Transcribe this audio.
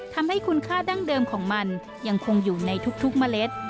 ทำให้คุณค่าดั้งเดิมของมันยังคงอยู่ในทุกเมล็ด